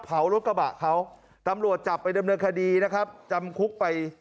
เผารถกระบะเขาตำรวจจับไปดำเนินคดีนะครับจำคุกไป